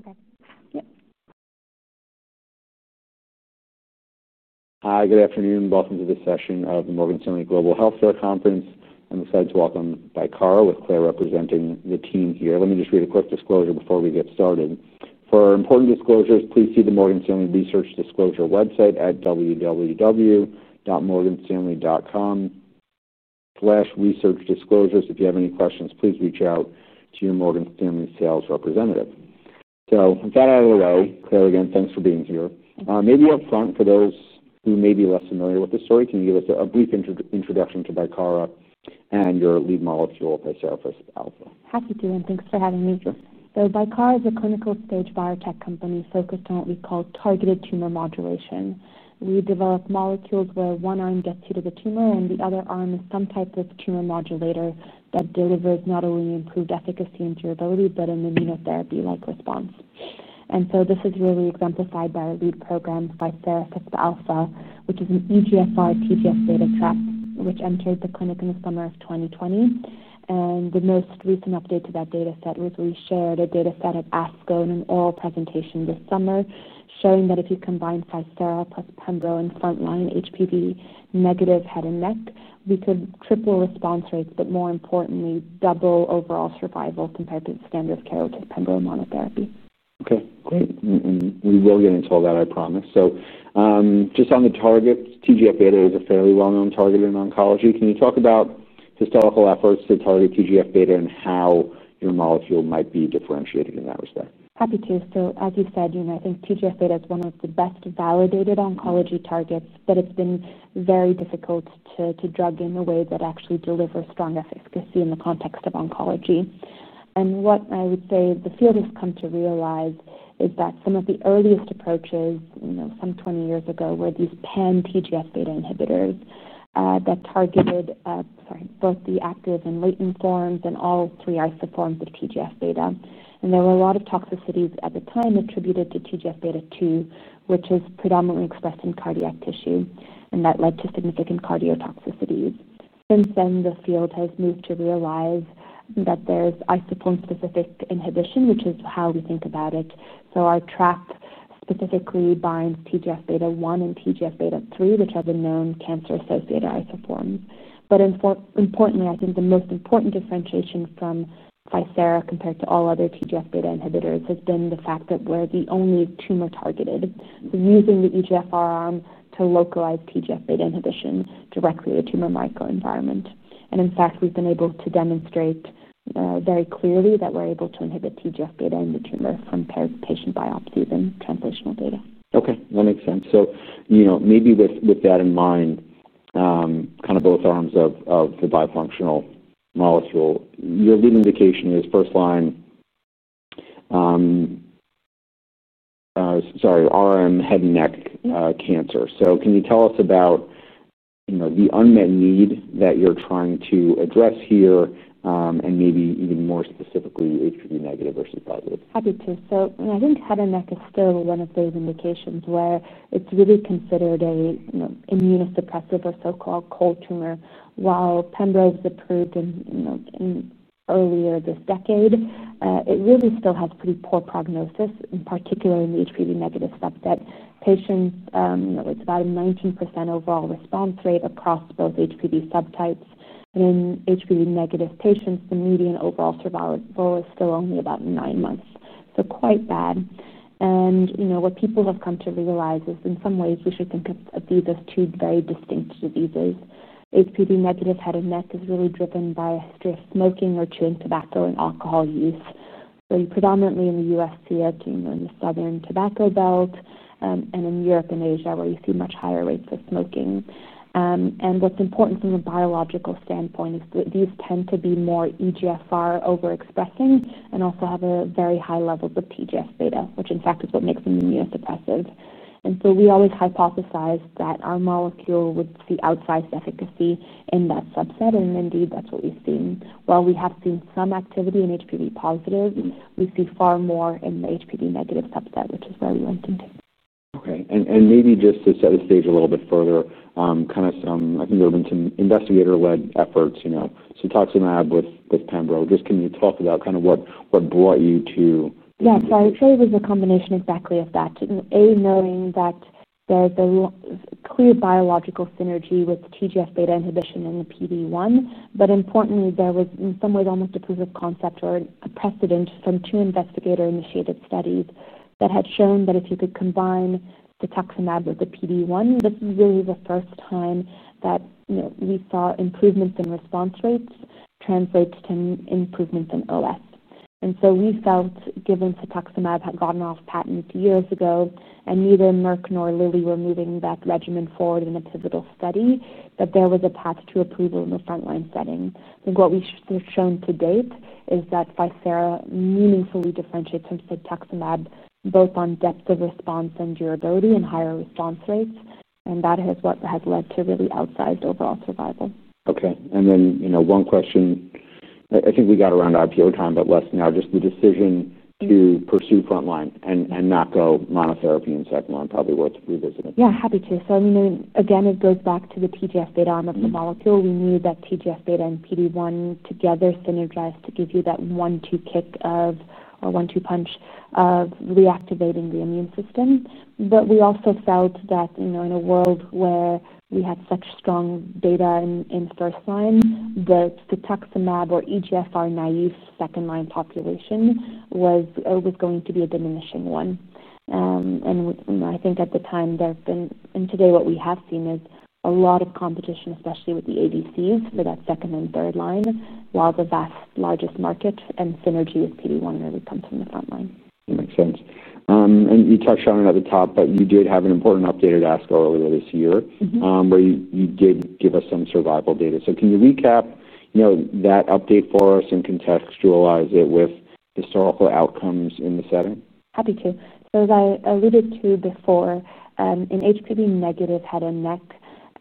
Okay. Yeah. Hi. Good afternoon. Welcome to this session of the Morgan Stanley Global Healthcare Conference. I'm excited to welcome Bicara with Claire representing the team here. Let me just read a quick disclosure before we get started. For important disclosures, please see the Morgan Stanley Research Disclosure website at www.morganstanley.com/researchdisclosures. If you have any questions, please reach out to your Morgan Stanley sales representative. With that out of the way, Claire, again, thanks for being here. Maybe up front, for those who may be less familiar with this story, can you give us a brief introduction to Bicara and your lead molecule, ficerafusp alfa? Happy to. And thanks for having me. Bicara Therapeutics is a clinical stage biotech company focused on what we call targeted tumor modulation. We develop molecules where one arm gets to the tumor, and the other arm is some type of tumor modulator that delivers not only improved efficacy and durability but an immunotherapy-like response. This is really exemplified by our lead program, ficerafusp alfa, which is a bifunctional EGFR-TGF-β1/3 inhibitor that entered the clinic in the summer of 2020. The most recent update to that dataset was we shared a dataset at ASCO in an oral presentation this summer showing that if you combine ficerafusp alfa plus pembrolizumab in first-line, HPV-negative recurrent/metastatic head and neck squamous cell carcinoma, we could triple response rates, but more importantly, double overall survival compared to the standard of care with pembrolizumab monotherapy. Okay. Great. We will get into all that, I promise. Just on the targets, TGF-beta is a fairly well-known target in oncology. Can you talk about historical efforts to target TGF-beta and how your molecule might be differentiated in that respect? Happy to. As you said, TGF-β is one of the best validated oncology targets, but it's been very difficult to drug in a way that actually delivers strong efficacy in the context of oncology. What I would say the field has come to realize is that some of the earliest approaches, some 20 years ago, were these pan-TGF-β inhibitors that targeted both the active and latent forms and all three isoforms of TGF-β. There were a lot of toxicities at the time attributed to TGF-β2, which is predominantly expressed in cardiac tissue, and that led to significant cardiotoxicities. Since then, the field has moved to realize that there's isoform-specific inhibition, which is how we think about it. Our trap specifically binds TGF-β1 and TGF-β3, which are the known cancer-associated isoforms. Importantly, I think the most important differentiation from Physera compared to all other TGF-β inhibitors has been the fact that we're the only tumor-targeted. We're using the EGFR arm to localize TGF-β inhibition directly to the tumor microenvironment. In fact, we've been able to demonstrate very clearly that we're able to inhibit TGF-β in the tumor compared to patient biopsies and translational data. Okay. That makes sense. With that in mind, kind of both arms of the bifunctional molecule, your lead indication is first-line, sorry, RM head and neck cancer. Can you tell us about the unmet need that you're trying to address here, and maybe even more specifically, HPV-negative versus positive? Happy to. I think head and neck is still one of those indications where it's really considered an immunosuppressive or so-called cold tumor. While pembrolizumab was approved earlier this decade, it really still has pretty poor prognosis, in particular in the HPV-negative subtype. Patients, you know, it's about a 19% overall response rate across both HPV subtypes. In HPV-negative patients, the median overall survival is still only about nine months, so quite bad. What people have come to realize is in some ways we should think of these as two very distinct diseases. HPV-negative head and neck is really driven by a history of smoking or chewing tobacco and alcohol use. You predominantly in the U.S. see it in the Southern Tobacco Belt, and in Europe and Asia where you see much higher rates of smoking. What's important from a biological standpoint is that these tend to be more EGFR overexpressing and also have a very high level of TGF-beta, which in fact is what makes them immunosuppressive. We always hypothesized that our molecule would see outsized efficacy in that subset, and indeed that's what we've seen. While we have seen some activity in HPV-positive, we see far more in the HPV-negative subset, which is where we went into. Okay. Maybe just to set the stage a little bit further, I think you're into investigator-led efforts, CTOXINLAB with pembrolizumab. Can you talk about what brought you to? Yeah. I would say it was a combination exactly of that. A, knowing that there's a clear biological synergy with TGF-β inhibition in the PD-1, but importantly, there was in some ways almost a proof of concept or a precedent from two investigator-initiated studies that had shown that if you could combine ficerafusp alfa with the PD-1, this is really the first time that we saw improvements in response rates translate to improvements in overall survival. We felt, given ficerafusp alfa had gotten off patent years ago and neither Merck nor Lilly were moving that regimen forward in a pivotal study, that there was a path to approval in the frontline setting. I think what we've shown to date is that ficerafusp alfa meaningfully differentiates from ficerafusp alfa both on depth of response and durability and higher response rates, and that is what has led to really outsized overall survival. Okay. You know, one question I think we got around IPO time, but less now. Just the decision to pursue frontline and not go monotherapy in second line is probably worth revisiting. Yeah. Happy to. I mean, again, it goes back to the TGF-β arm of the molecule. We knew that TGF-β and PD-1 together synergize to give you that one-two kick or one-two punch of reactivating the immune system. We also felt that, you know, in a world where we had such strong data in first line, the EGFR-naive second-line population was always going to be a diminishing one. I think at the time there have been, and today what we have seen is a lot of competition, especially with the ADCs for that second and third line, while the vast largest market and synergy is PD-1 really comes from the front line. That makes sense. You touched on it at the top, but you did have an important update at ASCO earlier this year, where you did give us some survival data. Can you recap that update for us and contextualize it with historical outcomes in the setting? Happy to. As I alluded to before, in HPV-negative head and neck,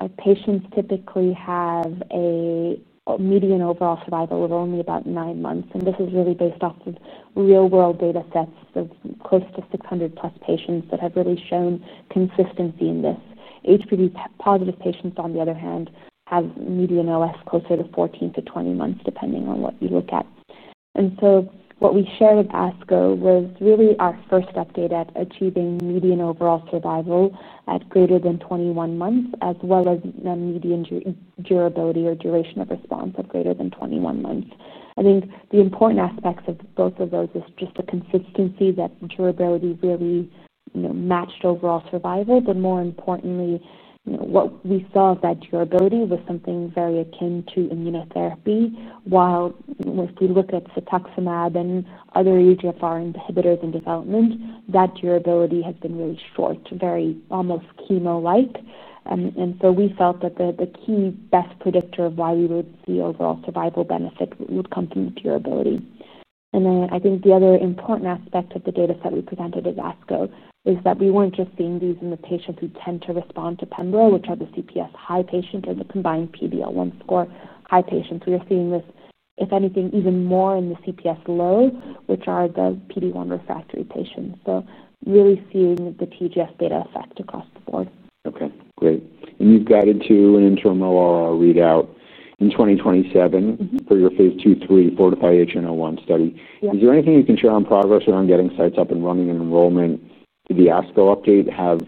patients typically have a median overall survival of only about nine months. This is really based off of real-world datasets of close to 600-plus patients that have really shown consistency in this. HPV-positive patients, on the other hand, have median overall survival closer to 14 to 20 months, depending on what you look at. What we shared with ASCO was really our first update at achieving median overall survival at greater than 21 months, as well as a median durability or duration of response of greater than 21 months. I think the important aspects of both of those are just the consistency that durability really matched overall survival, but more importantly, what we saw was that durability was something very akin to immunotherapy. If you look at EGFR inhibitors in development, that durability has been really short, very almost chemo-like. We felt that the key best predictor of why we would see overall survival benefit would come from durability. I think the other important aspect of the dataset we presented at ASCO is that we weren't just seeing these in the patients who tend to respond to pembrolizumab, which are the CPS high patients or the combined PD-L1 score high patients. We are seeing this, if anything, even more in the CPS low, which are the PD-1 refractory patients. Really seeing the TGF-β effect across the board. Okay. Great. You've got an internal oral readout in 2027 for your Phase 2/3 for ficerafusp alfa in a one study. Is there anything you can share on progress around getting sites up and running and enrollment? Did the ASCO update have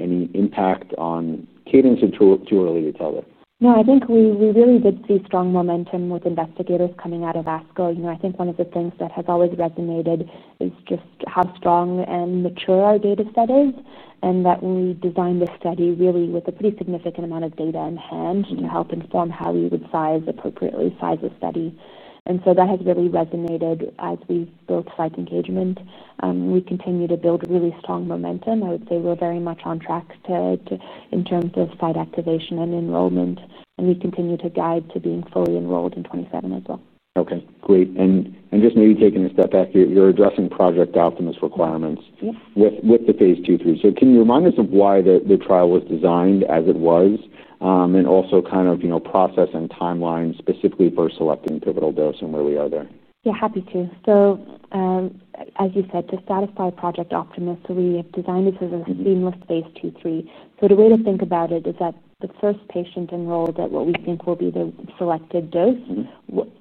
any impact on cadence or is it too early to tell that? No. I think we really did see strong momentum with investigators coming out of ASCO. I think one of the things that has always resonated is just how strong and mature our dataset is and that we designed this study really with a pretty significant amount of data in hand to help inform how we would appropriately size the study. That has really resonated as we spoke site engagement. We continue to build really strong momentum. I would say we're very much on track in terms of site activation and enrollment. We continue to guide to being fully enrolled in 2027 as well. Okay. Great. Maybe taking a step back here, you're addressing Project Optimus requirements with the Phase 2/3. Can you remind us of why the trial was designed as it was, and also the process and timeline specifically for selecting pivotal dose and where we are there? Yeah. Happy to. As you said, to satisfy Project Optimus, we designed it as a seamless Phase 2/3. The way to think about it is that the first patient enrolled at what we think will be the selected dose,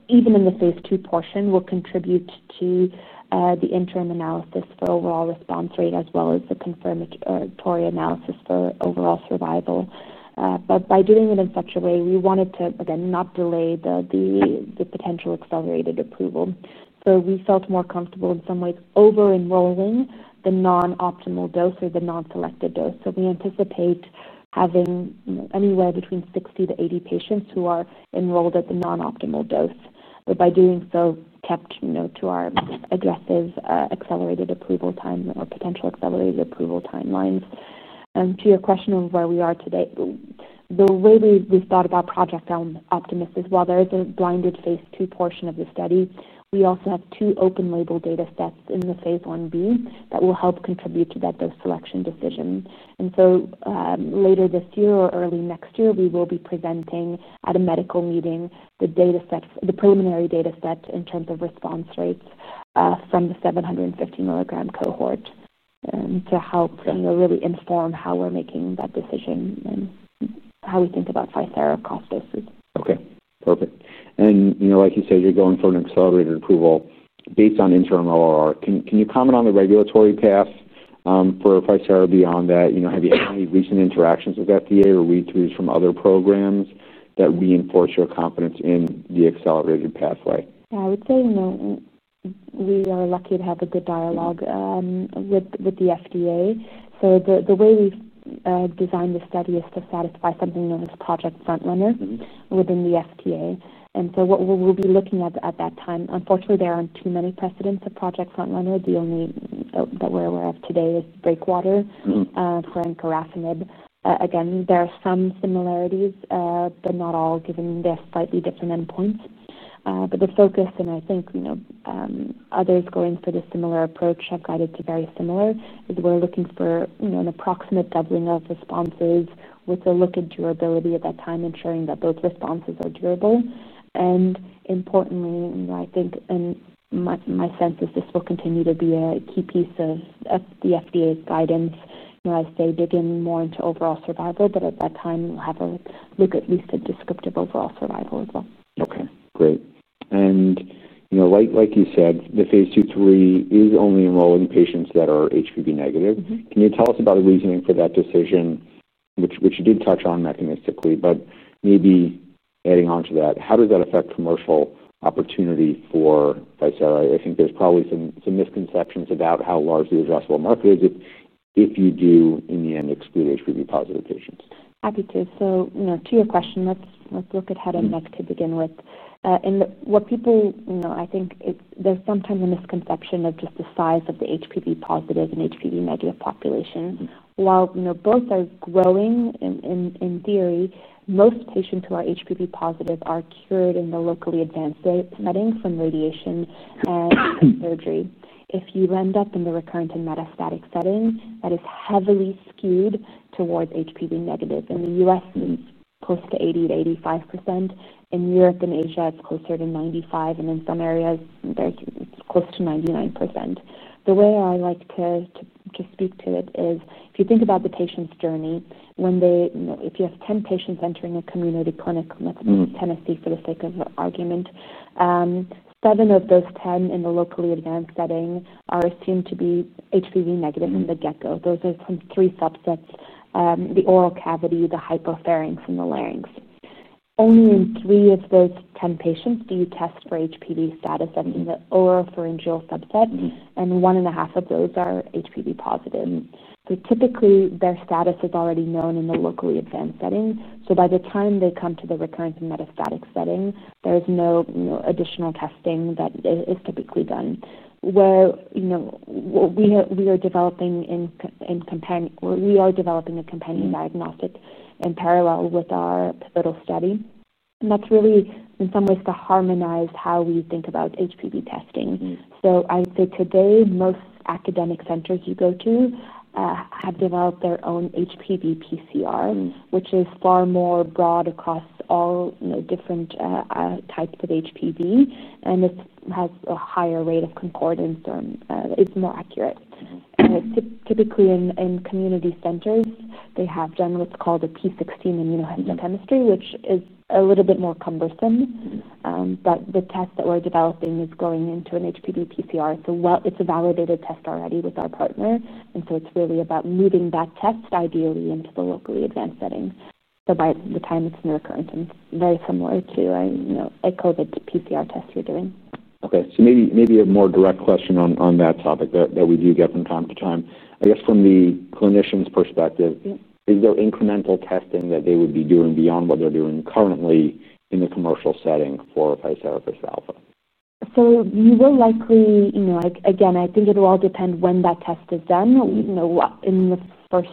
even in the Phase 2 portion, will contribute to the interim analysis for overall response rate as well as the confirmatory analysis for overall survival. By doing it in such a way, we wanted to not delay the potential accelerated approval. We felt more comfortable in some ways over-enrolling the non-optimal dose or the non-selected dose. We anticipate having anywhere between 60 to 80 patients who are enrolled at the non-optimal dose. By doing so, we kept to our aggressive, accelerated approval time or potential accelerated approval timelines. To your question of where we are today, the way we've thought about Project Optimus is while there is a blinded Phase 2 portion of the study, we also have two open-label datasets in the Phase 1b that will help contribute to that dose selection decision. Later this year or early next year, we will be presenting at a medical meeting the dataset, the preliminary dataset in terms of response rates, from the 750-milligram cohort, to help really inform how we're making that decision and how we think about ficerafusp alfa across doses. Okay. Perfect. Like you said, you're going for an accelerated approval based on internal or. Can you comment on the regulatory path for ficerafusp alfa beyond that? Have you had any recent interactions with the FDA or read-throughs from other programs that reinforce your confidence in the accelerated pathway? I would say we are lucky to have a good dialogue with the FDA. The way we've designed this study is to satisfy something known as Project Front Runner within the FDA. What we'll be looking at at that time, unfortunately, there aren't too many precedents of Project Front Runner. The only that we're aware of today is Breakwater, for encorasamib. There are some similarities, but not all, given they have slightly different endpoints. The focus, and I think others going for the similar approach have guided to very similar, is we're looking for an approximate doubling of responses with a look at durability at that time, ensuring that those responses are durable. Importantly, I think, and my sense is this will continue to be a key piece of the FDA's guidance as they dig in more into overall survival. At that time, we'll have a look at least a descriptive overall survival as well. Okay. Great. Like you said, the Phase 2/3 is only enrolling patients that are HPV-negative. Can you tell us about the reasoning for that decision, which you did touch on mechanistically, but maybe adding on to that, how does that affect commercial opportunity for ficerafusp alfa? I think there's probably some misconceptions about how largely addressable the market is if you do, in the end, exclude HPV-positive patients. Happy to. To your question, let's look ahead and begin with what people, you know, I think there's sometimes a misconception of just the size of the HPV-positive and HPV-negative population. While both are growing in theory, most patients who are HPV-positive are cured in the locally advanced setting from radiation and surgery. If you end up in the recurrent and metastatic setting, that is heavily skewed towards HPV-negative. In the U.S., it's close to 80% to 85%. In Europe and Asia, it's closer to 95%. In some areas, it's close to 99%. The way I like to speak to it is if you think about the patient's journey, if you have 10 patients entering a community clinic in Tennessee, for the sake of argument, 7 of those 10 in the locally advanced setting are assumed to be HPV-negative in the get-go. Those are three subsets: the oral cavity, the hypopharynx, and the larynx. Only in 3 of those 10 patients do you test for HPV status in the oropharyngeal subset, and one and a half of those are HPV-positive. Typically, their status is already known in the locally advanced setting. By the time they come to the recurrent and metastatic setting, there is no additional testing that is typically done. We are developing a companion diagnostic in parallel with our pivotal study, and that's really, in some ways, to harmonize how we think about HPV testing. I'd say today, most academic centers you go to have developed their own HPV PCR, which is far more broad across all different types of HPV, and it has a higher rate of concordance and is more accurate. Typically, in community centers, they have generally what's called a P16 immunohistochemistry, which is a little bit more cumbersome. The test that we're developing is going into an HPV PCR. It's a validated test already with our partner, and it's really about moving that test ideally into the locally advanced setting. By the time it's in the recurrent, it's very similar to a COVID PCR test you're doing. Okay. Maybe a more direct question on that topic that we do get from time to time. I guess from the clinician's perspective, is there incremental testing that they would be doing beyond what they're doing currently in the commercial setting for Bicara Therapeutics, Tomaso? I think it will all depend when that test is done. In the first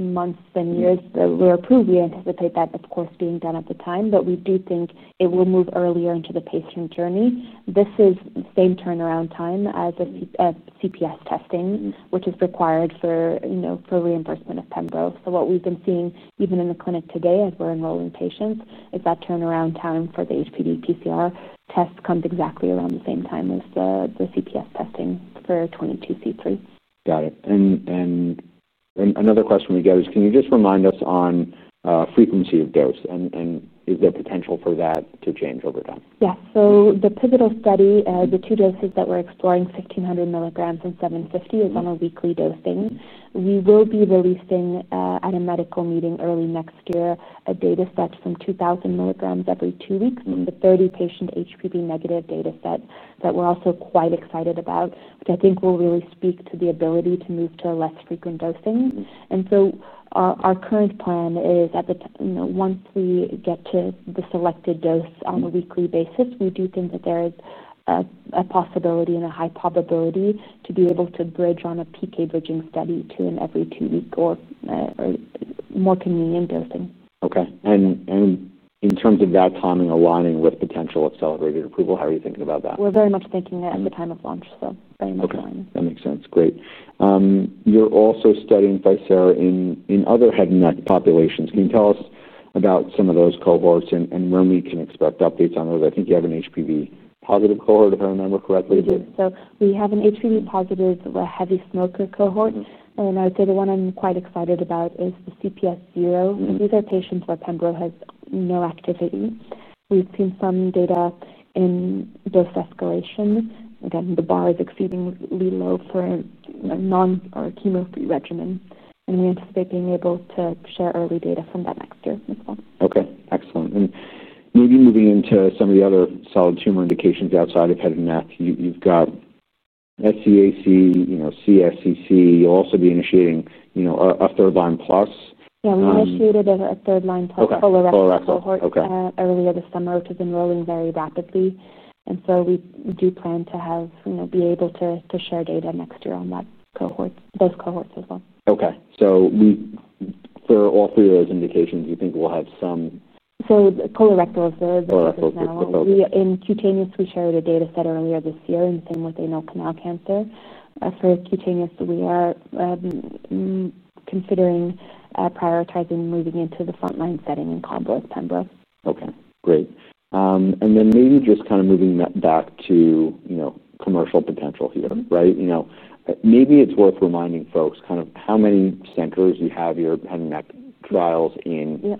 months and years that we're approved, we anticipate that, of course, being done at the time, but we do think it will move earlier into the patient journey. This is the same turnaround time as the CPS testing, which is required for reimbursement of pembrolizumab. What we've been seeing even in the clinic today as we're enrolling patients is that turnaround time for the HPV PCR test comes exactly around the same time as the CPS testing for 22C3. Got it. Another question we get is, can you just remind us on frequency of dose? Is there potential for that to change over time? Yeah. The pivotal study, the two doses that we're exploring, 1,600 milligrams and 750, is on a weekly dosing. We will be releasing at a medical meeting early next year a dataset from 2,000 milligrams every two weeks in the 30-patient HPV-negative dataset that we're also quite excited about, which I think will really speak to the ability to move to a less frequent dosing. Our current plan is, once we get to the selected dose on a weekly basis, we do think that there is a possibility and a high probability to be able to bridge on a PK bridging study to an every two-week or more convenient dosing. Okay. In terms of that timing aligning with potential accelerated approval, how are you thinking about that? We're very much thinking at the time of launch, so very much aligned. Okay. That makes sense. Great. You're also studying ficerafusp alfa in other head and neck populations. Can you tell us about some of those cohorts and when we can expect updates on those? I think you have an HPV-positive cohort, if I remember correctly. Yes. We have an HPV-positive heavy smoker cohort. I would say the one I'm quite excited about is the CPS-zero. These are patients where pembrolizumab has no activity. We've seen some data in dose escalation. The bar is exceedingly low for a non-chemo regimen. We anticipate being able to share early data from that next year as well. Okay. Excellent. Maybe moving into some of the other solid tumor indications outside of head and neck, you've got SCAC, you know, cutaneous squamous cell carcinoma. You'll also be initiating, you know, a third-line plus. Yeah. We initiated a third-line plus colorectal cohort earlier this summer, which has been rolling very rapidly. We do plan to have, you know, be able to share data next year on those cohorts as well. For all three of those indications, you think we'll have some. Colorectal is the bullet right now. In cutaneous, we shared a dataset earlier this year, the same with anal canal cancer. For cutaneous, we are considering prioritizing moving into the frontline setting in pembrolizumab. Okay. Great. Maybe just kind of moving back to, you know, commercial potential here, right? Maybe it's worth reminding folks kind of how many centers you have your head and neck trials in.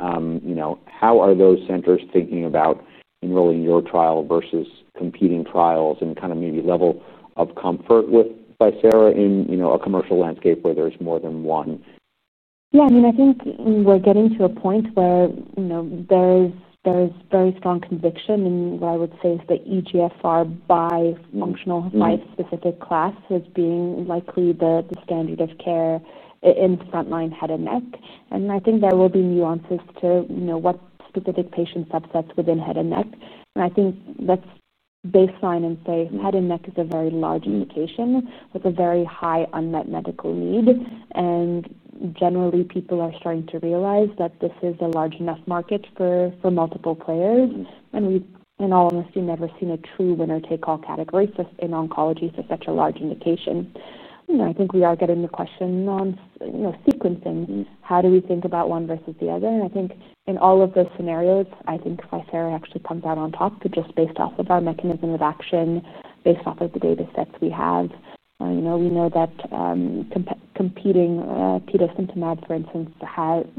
How are those centers thinking about enrolling your trial versus competing trials and kind of maybe level of comfort with Physera in, you know, a commercial landscape where there's more than one? Yeah. I mean, I think we're getting to a point where there is very strong conviction in what I would say is the EGFR bifunctional specific class as being likely the standard of care in frontline head and neck. I think there will be nuances to what specific patient subsets within head and neck. I think that's baseline in place. Head and neck is a very large indication with a very high unmet medical need. Generally, people are starting to realize that this is a large enough market for multiple players. In all honesty, we've never seen a true winner-take-all category in oncology for such a large indication. I think we are getting the question on sequencing. How do we think about one versus the other? In all of those scenarios, I think ficerafusp alfa actually comes out on top just based off of our mechanism of action, based off of the datasets we have. We know that, competing tirosimab, for instance,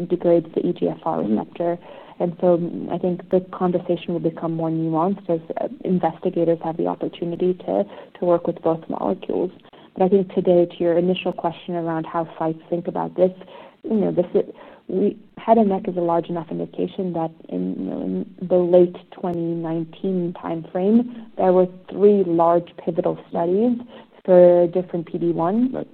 degrades the EGFR receptor. I think the conversation will become more nuanced as investigators have the opportunity to work with both molecules. Today, to your initial question around how sites think about this, head and neck is a large enough indication that in the late 2019 timeframe, there were three large pivotal studies for different PD-1s,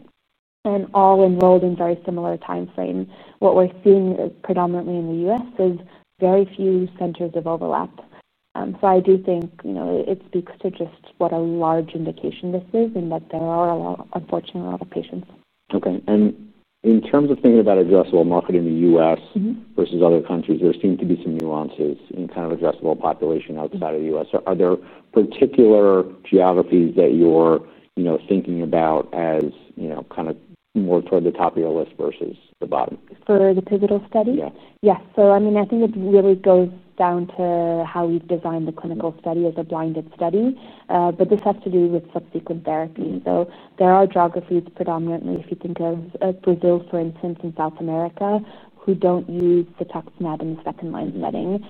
and all enrolled in a very similar timeframe. What we're seeing predominantly in the U.S. is very few centers of overlap. I do think it speaks to just what a large indication this is and that there are, unfortunately, a lot of patients. Okay. In terms of thinking about addressable market in the U.S. versus other countries, there seem to be some nuances in kind of addressable population outside of the U.S. Are there particular geographies that you're thinking about as kind of more toward the top of your list versus the bottom? For the pivotal studies? Yeah. Yes. I mean, I think it really goes down to how we've designed the clinical study as a blinded study. This has to do with subsequent therapy. There are geographies, predominantly, if you think of Brazil, for instance, and South America, we don't use CTOXINLAB in the second-line setting.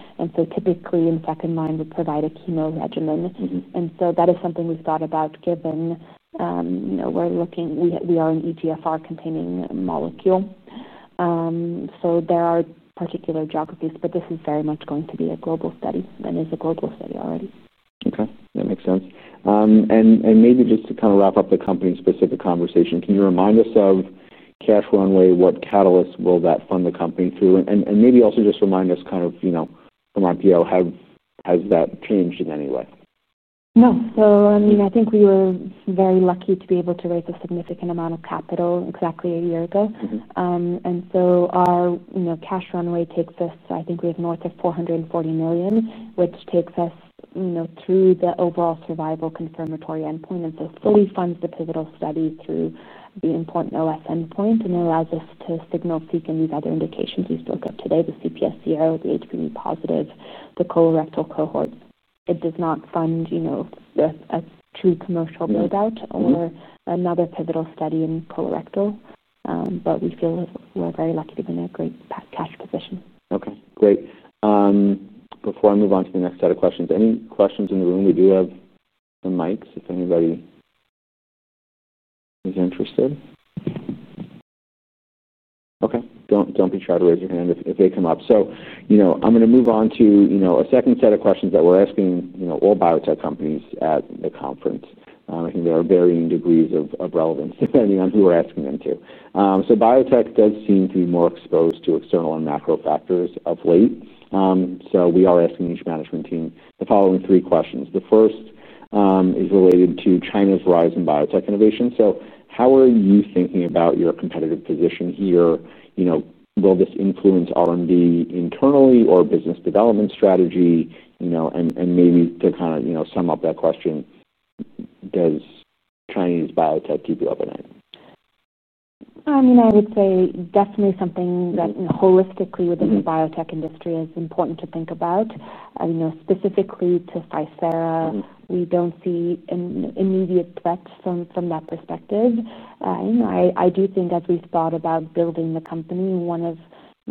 Typically, in second line, we provide a chemo regimen. That is something we've thought about given, you know, we're looking, we are an EGFR-containing molecule. There are particular geographies, but this is very much going to be a global study and is a global study already. Okay. That makes sense. Maybe just to kind of wrap up the company-specific conversation, can you remind us of cash runway, what catalysts will that fund the company through? Maybe also just remind us kind of, you know, from IPO, has that changed in any way? I think we were very lucky to be able to raise a significant amount of capital exactly a year ago, and so our, you know, cash runway takes us, I think we have north of $440 million, which takes us, you know, through the overall survival confirmatory endpoint. It fully funds the pivotal study through the important OS endpoint and allows us to signal if we can use other indications we spoke of today, the CPS-zero, the HPV-positive, the colorectal cohorts. It does not fund, you know, the true commercial layout or another pivotal study in colorectal, but we feel we're very lucky to be in a great cash position. Okay. Great. Before I move on to the next set of questions, any questions in the room? We do have some mics if anybody is interested. Okay. Don't be shy to raise your hand if they come up. I'm going to move on to a second set of questions that we're asking all biotech companies at the conference. I think there are varying degrees of relevance depending on who we're asking them to. Biotech does seem to be more exposed to external and macro factors of late. We are asking each management team the following three questions. The first is related to China's rise in biotech innovation. How are you thinking about your competitive position here? Will this influence R&D internally or business development strategy? Maybe to sum up that question, does Chinese biotech keep you up at night? I mean, I would say definitely something that holistically with the biotech industry is important to think about. Specifically to ficerafusp alfa, we don't see an immediate threat from that perspective. I do think as we've thought about building the company,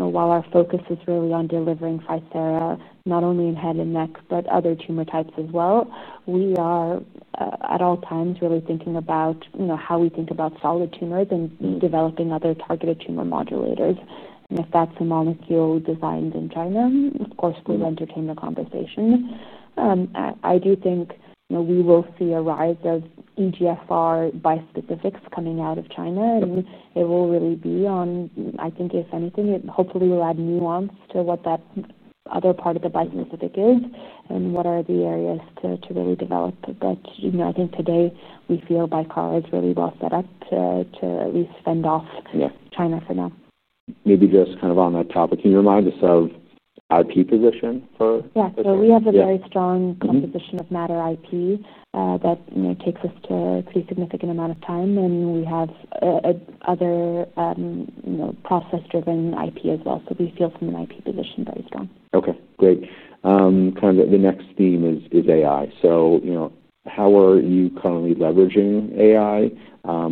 while our focus is really on delivering ficerafusp alfa not only in head and neck, but other tumor types as well, we are at all times really thinking about how we think about solid tumors and developing other targeted tumor modulators. If that's a molecule designed in China, of course, we've entertained the conversation. I do think we will see a rise of EGFR bispecifics coming out of China. It will really be on, I think, if anything, it hopefully will add nuance to what that other part of the bispecific is and what are the areas to really develop. I think today we feel Bicara Therapeutics is really well set up to at least fend off China for now. Maybe just on that topic, can you remind us of IP position for? Yeah. We have a very strong position of matter IP that takes us to a pretty significant amount of time, and we have another process-driven IP as well. We feel from an IP position very strong. Okay. Great. The next theme is AI. How are you currently leveraging AI,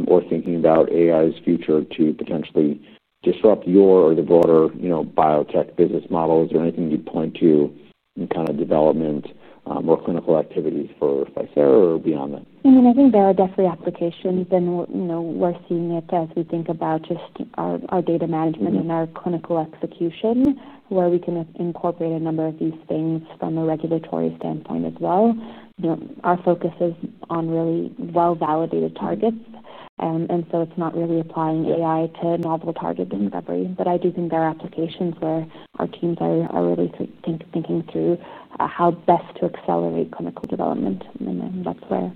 or thinking about AI's future to potentially disrupt your or the broader biotech business models? Is there anything you'd point to in development or clinical activities for ficerafusp alfa or beyond that? I think there are definitely applications. We're seeing it as we think about just our data management and our clinical execution, where we can incorporate a number of these things from a regulatory standpoint as well. Our focus is on really well-validated targets, so it's not really applying AI to a novel target in any way. I do think there are applications where our teams are really thinking through how best to accelerate clinical development, and that's where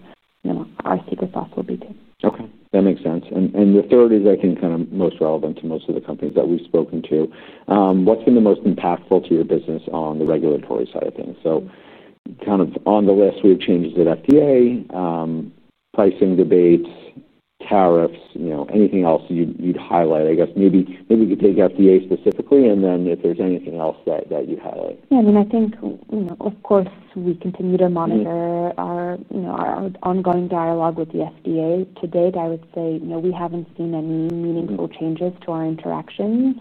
our secret sauce will be too. Okay. That makes sense. The third is, I think, kind of most relevant to most of the companies that we've spoken to. What's been the most impactful to your business on the regulatory side of things? On the list, we have changes to the FDA, pricing debates, tariffs, or anything else you'd highlight. I guess maybe we could take FDA specifically, and then if there's anything else that you highlight. Yeah. I mean, I think, you know, of course, we continue to monitor our ongoing dialogue with the FDA. To date, I would say we haven't seen any meaningful changes to our interactions.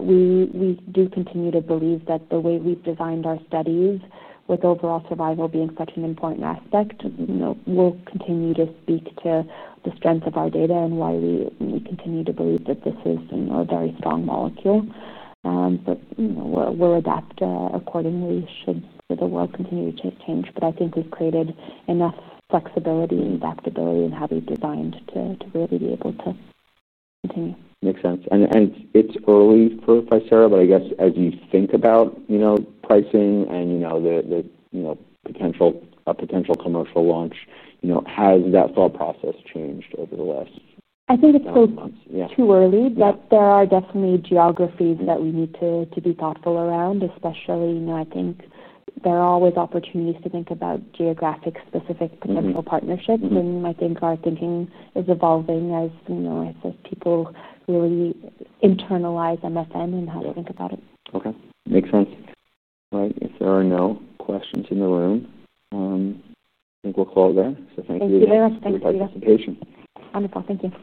We do continue to believe that the way we've designed our studies, with overall survival being such an important aspect, will continue to speak to the strength of our data and why we continue to believe that this is a very strong molecule. We will adapt accordingly should the world continue to change. I think we've created enough flexibility and adaptability in how we've designed to really be able to continue. Makes sense. It's early for ficerafusp alfa, but I guess as you think about pricing and the potential commercial launch, has that thought process changed over the last couple of months? I think it's still too early, but there are definitely geographies that we need to be thoughtful around, especially, you know, I think there are always opportunities to think about geographic-specific potential partnerships. I think our thinking is evolving as, you know, as people really internalize MSN and how to think about it. Okay. Makes sense. All right. If there are no questions in the room, I think we'll call it there. Thank you. Thank you very much. Thank you for your participation. Thank you. Wonderful. Thank you.